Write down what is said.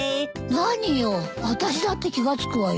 何よあたしだって気が付くわよ。